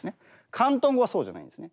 広東語はそうじゃないんですね。